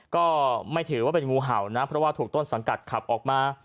ก็ไม่ถือว่าเป็นงูเห่านะเพราะว่าถูกต้นสังกัดขับออกมา